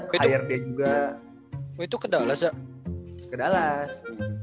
akhirnya juga itu kedalas kedalas